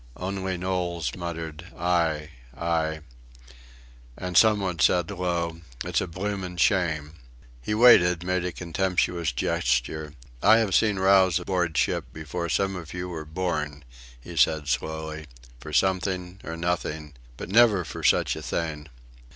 Only Knowles muttered "Aye, aye," and somebody said low: "It's a bloomin' shame." He waited, made a contemptuous gesture. "I have seen rows aboard ship before some of you were born," he said, slowly, "for something or nothing; but never for such a thing."